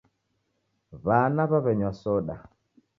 W'ana w'aw'enywa soda